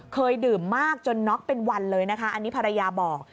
เคยดื่มมากจนน็อกเป็นวันเลยนะคะอันนี้ภรรยาบอก